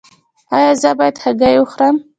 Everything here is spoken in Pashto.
ایا زه باید هګۍ وخورم؟